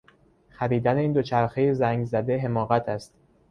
خریدن این دوچرخهی زنگزده حماقت است.